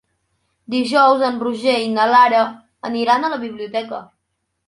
Dijous en Roger i na Lara aniran a la biblioteca.